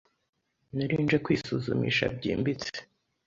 nari nje kwisuzumisha byimbitse.